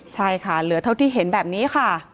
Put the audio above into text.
ใช่ค่ะเหลือเท่าที่เห็นแบบนี้ค่ะ